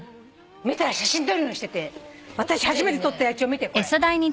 見たら写真撮るようにしてて私初めて撮った野鳥見てこれ。